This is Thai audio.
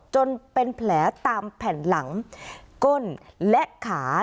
จนเป็นแผลตามแผ่นหลังก้นและขา